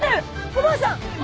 おばあさん！